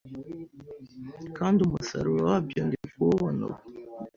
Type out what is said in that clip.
ikindi umusaruro wabyo ndi kuwubona ubu